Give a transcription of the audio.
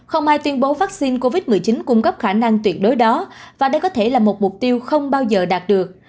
không ai tuyên bố vaccine covid một mươi chín cung cấp khả năng tuyệt đối đó và đây có thể là một mục tiêu không bao giờ đạt được